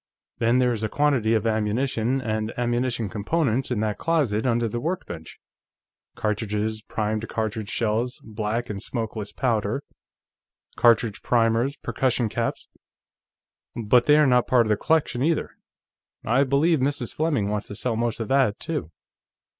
Then, there is a quantity of ammunition and ammunition components in that closet under the workbench cartridges, primed cartridge shells, black and smokeless powder, cartridge primers, percussion caps but they are not part of the collection, either. I believe Mrs. Fleming wants to sell most of that, too."